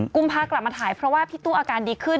กุมพากลับมาถ่ายเพราะว่าพี่ตู้อาการดีขึ้น